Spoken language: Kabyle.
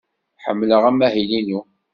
Ḥemmleɣ amahil-inu.